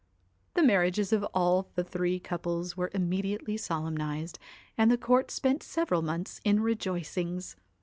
The marriages of all the three couples were immediately solemnized, and the court spent several months in rejoicings.